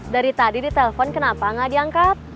dari tadi ditelepon kenapa nggak diangkat